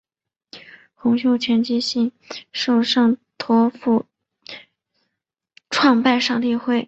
洪秀全笃信受上帝托负创拜上帝会。